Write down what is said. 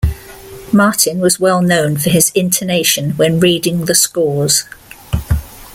Martin was well known for his intonation when reading the scores.